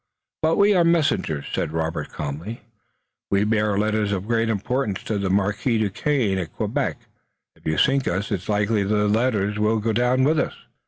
"But we are messengers," said Robert calmly. "We bear letters of great importance to the Marquis Duquesne at Quebec. If you sink us it's likely the letters will go down with us."